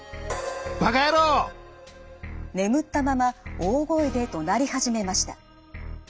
眠ったまま大声でどなり始めました。